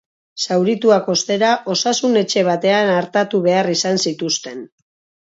Zaurituak, ostera, osasun etxe batean artatu behar izan zituzten.